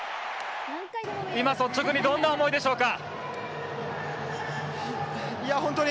今、率直にどんな思いでしょうか。